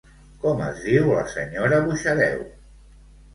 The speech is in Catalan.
Com es diu la senyora Buxareu?